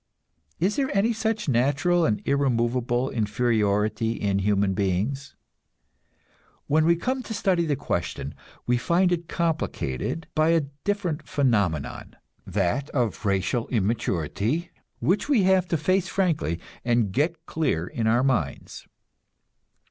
Is there any such natural and irremovable inferiority in human beings? When we come to study the question we find it complicated by a different phenomenon, that of racial immaturity, which we have to face frankly and get clear in our minds.